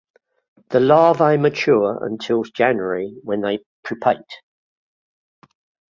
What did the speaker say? The larvae mature until January when they pupate.